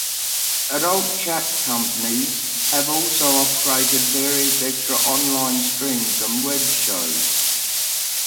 Adult chat companies have also operated various extra online streams and web shows.